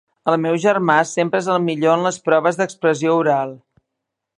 El meu germà sempre és el millor en les proves d'expressió oral.